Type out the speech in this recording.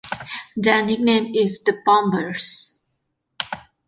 Their nickname is the Bombers.